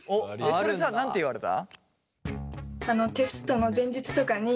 それさ何て言われた？